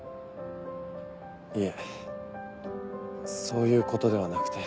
いえそういうことではなくて。